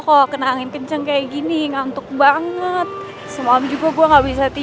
kalian semuanya ikut saya ke ruangan